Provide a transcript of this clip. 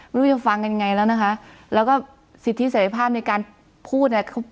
ไม่รู้จะฟังกันยังไงแล้วนะคะแล้วก็สิทธิเสร็จภาพในการพูดเนี่ย